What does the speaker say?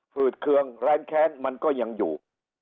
ืดเคืองแรงแค้นมันก็ยังอยู่